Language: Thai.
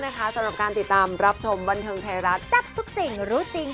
ซึ่งซ้ำกันไงก็น่ารักดี